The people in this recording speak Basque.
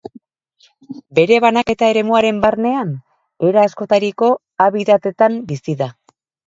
Bere banaketa-eremuaren barnean era askotariko habitatetan bizi da.